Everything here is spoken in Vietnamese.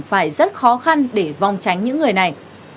phải rất khó khăn để vòng tránh những người này